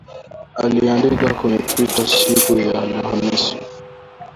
Aliandika kwenye Twitter siku ya Alhamisi